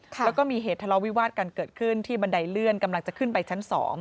แล้วก็มีเหตุทะเลาวิวาสกันเกิดขึ้นที่บันไดเลื่อนกำลังจะขึ้นไปชั้น๒